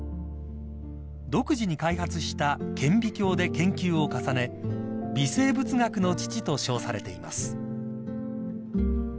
［独自に開発した顕微鏡で研究を重ね微生物学の父と称されています］